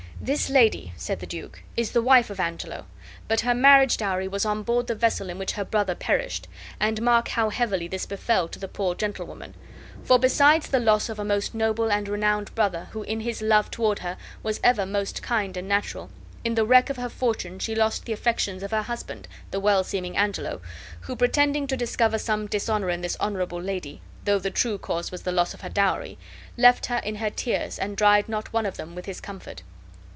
"This lady," said the duke, "is the wife of Angelo; but her marriage dowry was on board the vessel in which her brother perished, and mark how heavily this befell to the poor gentlewoman! for, besides the loss of a most noble and renowned brother, who in his love toward her was ever most kind and natural, in the wreck of her fortune she lost the affections of her husband, the well seeming Angelo, who, pretending to discover some dishonor in this honorable lady (though the true cause was the loss of her dowry), left her in her tears and dried not one of them with his comfort.